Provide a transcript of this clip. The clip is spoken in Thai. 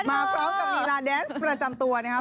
มาพร้อมกับลีลาแดนส์ประจำตัวนะครับ